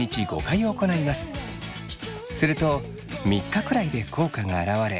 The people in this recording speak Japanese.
すると３日くらいで効果があらわれ